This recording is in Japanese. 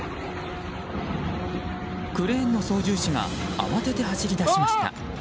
クレーンの操縦士が慌てて走り出しました。